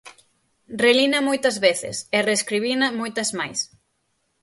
Relina moitas veces e reescribina moitas máis.